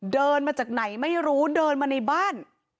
เดินมาจากไหนไม่รู้เดินมาในบ้าน